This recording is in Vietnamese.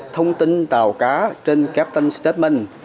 thông tin tàu cá trên captain s statement